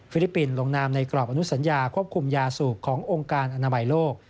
ลิปปินส์ลงนามในกรอบอนุสัญญาควบคุมยาสูบขององค์การอนามัยโลก